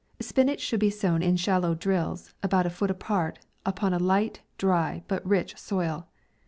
Spinach should be sown in shallow drills, about a foot apart, upon a light, dry, but rich soil.